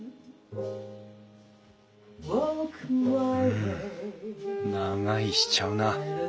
うん長居しちゃうな。